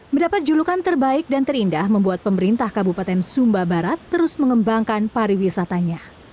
mendapat julukan terbaik dan terindah membuat pemerintah kabupaten sumba barat terus mengembangkan pariwisatanya